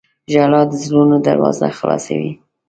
• ژړا د زړونو دروازه خلاصوي.